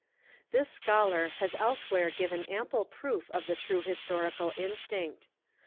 This scholar has elsewhere given am ple proof of the true historical instinct.